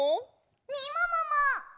みももも！